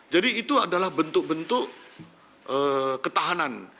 jadi itu adalah bentuk bentuk ketahanan